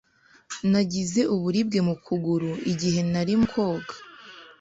Nagize uburibwe mu kuguru igihe narimo koga.